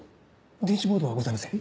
電子ボードはございません。